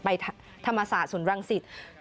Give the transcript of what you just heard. ไปธรรมศาสตร์สนรังสิทธิ์